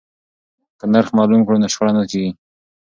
که نرخ معلوم کړو نو شخړه نه کیږي.